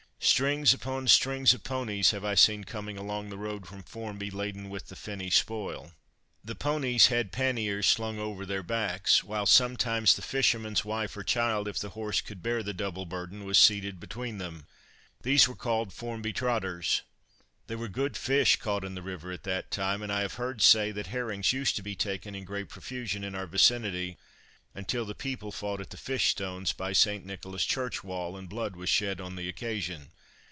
Strings upon strings of ponies have I seen coming along the road from Formby, laden with the finny spoil. The ponies had panniers slung over their backs, while sometimes the fisherman's wife or child, if the horse could bear the double burden, was seated between them. These were called "Formby Trotters." There were good fish caught in the river at that time; and I have heard say that herrings used to be taken in great profusion in our vicinity until the people fought at the Fish Stones by St. Nicholas's Church wall, and blood was shed on the occasion.